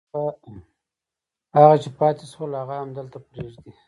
هغه چې پاتې شول هغه همدلته پرېږدي.